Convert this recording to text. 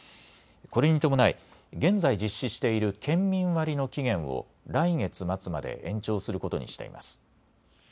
これに伴い、現在実施している県民割の期限を来月末まで延長することにしています。